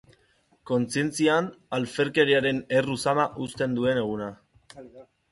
Kontzientzian alferkeriaren erru zama uzten duen eguna.